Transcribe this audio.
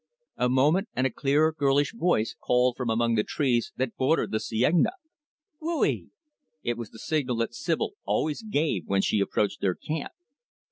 A moment, and a clear, girlish voice called from among the trees that bordered the cienaga, "Whoo ee." It was the signal that Sibyl always gave when she approached their camp.